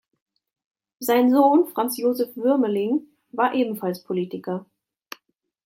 Sein Sohn Franz-Josef Wuermeling war ebenfalls Politiker.